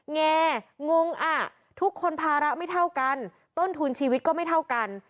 แงงอ่ะทุกคนภาระไม่เท่ากันต้นทุนชีวิตก็ไม่เท่ากัน